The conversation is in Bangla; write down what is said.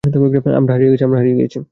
আমরা হারিয়ে গেছি!